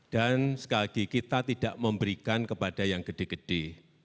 dan sekali lagi kita tidak memberikan kepada yang gede gede